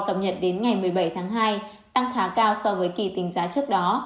cập nhật đến ngày một mươi bảy tháng hai tăng khá cao so với kỳ tính giá trước đó